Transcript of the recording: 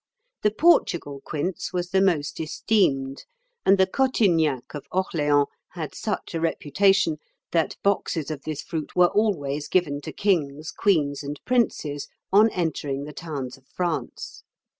The Portugal quince was the most esteemed; and the cotignac of Orleans had such a reputation, that boxes of this fruit were always given to kings, queens, and princes on entering the towns of France.